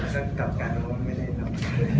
แล้วก็กลับกันแล้วไม่ได้นอน